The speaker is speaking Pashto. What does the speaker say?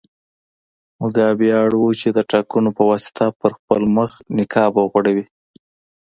موګابي اړ و چې د ټاکنو په واسطه پر خپل مخ نقاب وغوړوي.